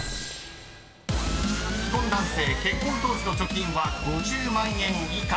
［既婚男性結婚当時の貯金は５０万円以下］